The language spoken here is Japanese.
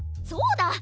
そうだ！